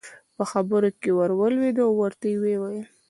په خبرو کې ور ولوېد او ورته ویې وویل.